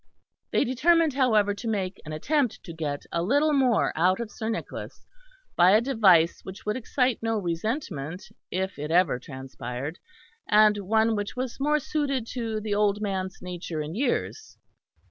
They determined, however, to make an attempt to get a little more out of Sir Nicholas by a device which would excite no resentment if it ever transpired, and one which was more suited to the old man's nature and years.